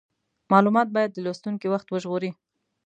مالومات باید د لوستونکي وخت وژغوري.